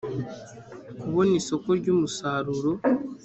kubona isoko ry’umusaruro